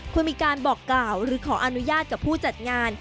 ควรมีการบอกกล่าวหรือขออนุญาตกับผู้จัดงาน